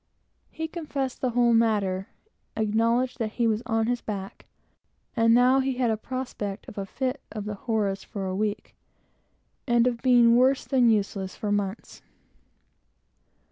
He confessed the whole matter; acknowledged that he was on his back; and now he had a prospect of a fit of the horrors for a week, and of being worse than useless for months.